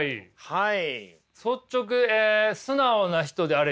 はい。